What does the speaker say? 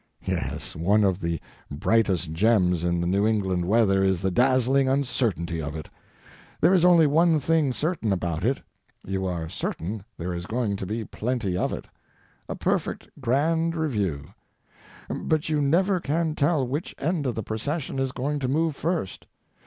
Yes, one of the brightest gems in the New England weather is the dazzling uncertainty of it. There is only one thing certain about it: you are certain there is going to be plenty of it—a perfect grand review; but you never can tell which end of the procession is going to move first.